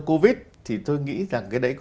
covid thì tôi nghĩ rằng cái đấy